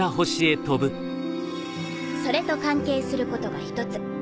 それと関係することが一つ。